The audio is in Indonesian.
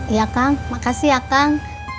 iya kang makasih ya kang